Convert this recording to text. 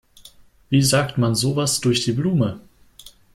Wie sagt man sowas durch die Blume?